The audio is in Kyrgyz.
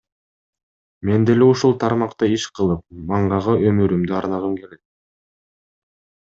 Мен деле ушул тармакта иш кылып, мангага өмүрүмдү арнагым келет.